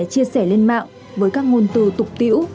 chia sẻ lên mạng với các ngôn từ tục tiễu